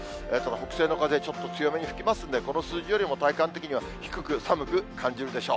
北西の風、ちょっと強めに吹きますんで、この数字よりも、体感的には低く、寒く感じるでしょう。